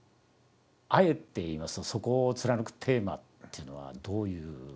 あえて言いますとそこを貫くテーマというのはどういうことなんでしょうか？